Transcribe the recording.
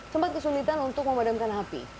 sempat kesulitan untuk memadamkan api